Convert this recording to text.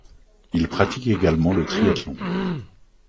Il pratique également le Triathlon.